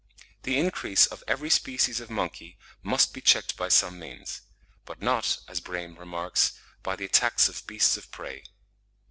The increase of every species of monkey must be checked by some means; but not, as Brehm remarks, by the attacks of beasts of prey.